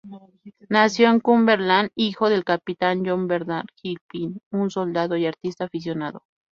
Nació en Cumberland, hijo del capitán John Bernard Gilpin, un soldado y artista aficionado.